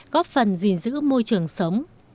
góp phần gìn giữ môi trường sống